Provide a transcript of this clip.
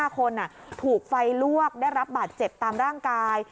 ๕คนถูกไฟลวกได้รับบาดเจ็บตามร่างกาย